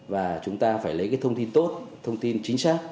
và chúng ta phải lấy cái thông tin tốt thông tin chính xác